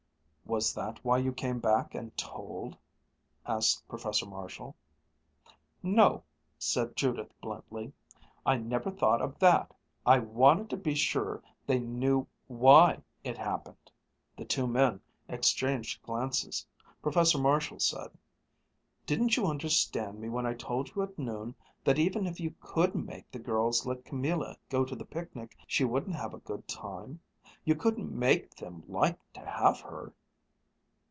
"Was that why you came back and told?" asked Professor Marshall. "No," said Judith bluntly, "I never thought of that. I wanted to be sure they knew why it happened." The two men exchanged glances. Professor Marshall said: "Didn't you understand me when I told you at noon that even if you could make the girls let Camilla go to the picnic, she wouldn't have a good time? You couldn't make them like to have her?"